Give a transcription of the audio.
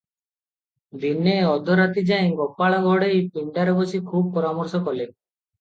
ଦିନେ ଅଧରାତି ଯାଏ ଗୋପାଳ ଘଡେଇ ପିଣ୍ଡାରେ ବସି ଖୁବ୍ ପରାମର୍ଶ କଲେ ।